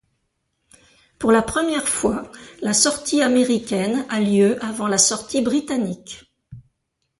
Pour la première fois, la sortie américaine a lieu avant la sortie britannique.